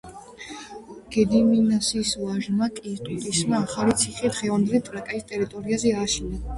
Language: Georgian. გედიმინასის ვაჟმა კეისტუტისმა ახალი ციხე დღევანდელი ტრაკაის ტერიტორიაზე.